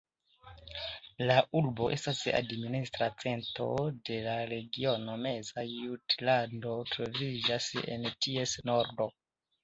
La urbo estas administra centro de la Regiono Meza Jutlando, troviĝas en ties nordo.